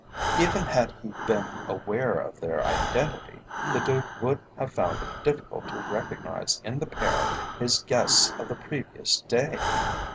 Even had he been aware of their identity, the Duke would have found it difficult to recognise in the pair his guests of the previous day.